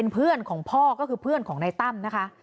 เพื่อนของพ่อก็คือเพื่อนของนายตั้มนะคะ